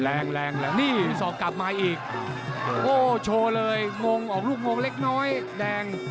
แรงแรงนี่สอกกลับมาอีกโอ้โชว์เลยงงออกลูกงงเล็กน้อยแดง